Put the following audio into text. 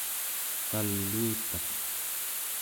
kaluutaq